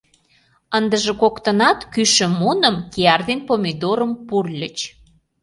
Ындыже коктынат кӱшӧ муным, кияр ден помидорым пурльыч.